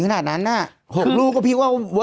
โทษทีน้องโทษทีน้อง